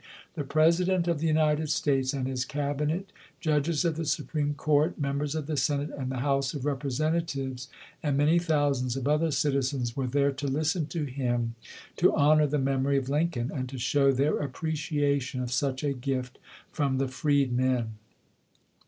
the President of the United States and his Cabinet, judges of the Supreme Court, members of the Senate and the House of Representatives, and many thousands of other citizens were there to listen to him, to honor the memory of Lincoln and to show their apprecia tion of such a gift from the f reedmen.